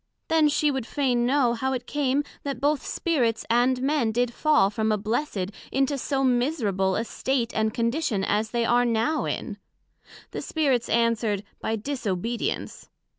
Then she would fain know, how it came, that both Spirits and Men did fall from a blessed into so miserable a state and condition as they are now in. The Spirits answered, By disobedience.